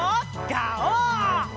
ガオー！